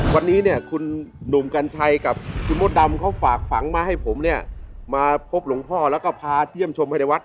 วันนี้เนี่ยคุณหนุ่มกัญชัยกับคุณมดดำเขาฝากฝังมาให้ผมเนี่ยมาพบหลวงพ่อแล้วก็พาเยี่ยมชมภายในวัด